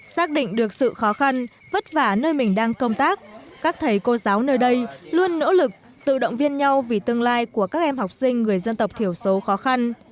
xác định được sự khó khăn vất vả nơi mình đang công tác các thầy cô giáo nơi đây luôn nỗ lực tự động viên nhau vì tương lai của các em học sinh người dân tộc thiểu số khó khăn